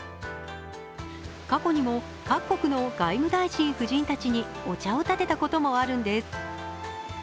過去にも各国の外務大臣夫人たちにお茶をたてたこともあるんです。